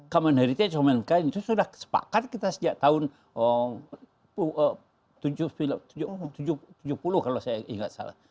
common heritage itu sudah sepakat kita sejak tahun seribu tujuh puluh kalau saya ingat salah